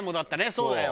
そうだよ。